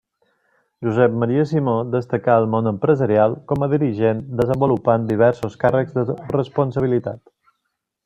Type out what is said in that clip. Josep Maria Simó destacà al món empresarial com a dirigent desenvolupant diversos càrrecs de responsabilitat.